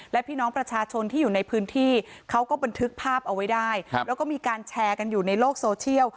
และพี่น้องประชาชนที่อยู่ในพื้นที่เขาก็บันทึกภาพเอาไว้ได้แล้วก็มีการแชร์กันอยู่ในโลกโซเชียล